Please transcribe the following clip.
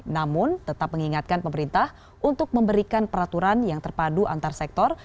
namun tetap mengingatkan pemerintah untuk memberikan peraturan yang terpadu antar sektor